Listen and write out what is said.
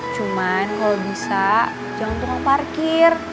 cuman kalau bisa jangan tukang parkir